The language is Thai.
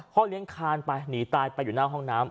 เลี้ยงคานไปหนีตายไปอยู่หน้าห้องน้ำ